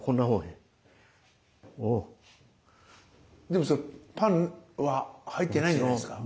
でもそれパンは入ってないんじゃないですか？